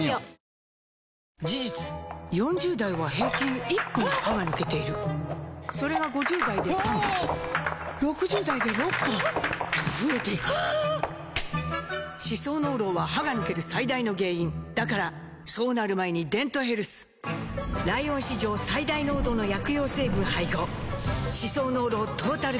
「ＮＯＮＩＯ」事実４０代は平均１本歯が抜けているそれが５０代で３本６０代で６本と増えていく歯槽膿漏は歯が抜ける最大の原因だからそうなる前に「デントヘルス」ライオン史上最大濃度の薬用成分配合歯槽膿漏トータルケア！